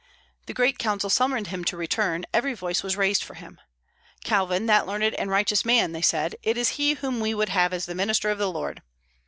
The great Council summoned him to return; every voice was raised for him. "Calvin, that learned and righteous man," they said, "it is he whom we would have as the minister of the Lord."